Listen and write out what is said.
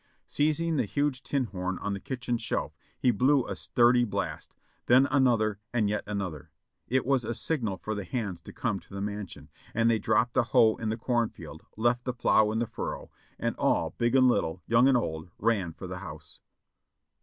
Seizing the huge tin horn on the kitchen shelf he blew a sturdy blast, then another and yet another. It was a signal for the hands to come to the mansion, and they dropped the hoe in the cornfield, left the plough in the furrow, and all, big and little, young and old, ran for the house.